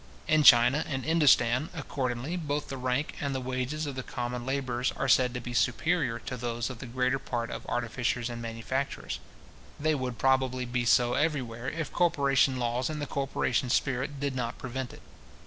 In China and Indostan, accordingly, both the rank and the wages of country labourers are said to be superior to those of the greater part of artificers and manufacturers. They would probably be so everywhere, if corporation laws and the corporation spirit did not prevent it.